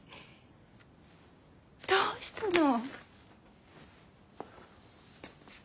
どうしたの？